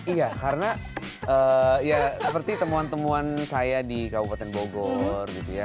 iya karena ya seperti temuan temuan saya di kabupaten bogor gitu ya